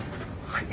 はい。